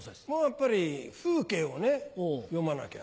やっぱり風景をね詠まなきゃ。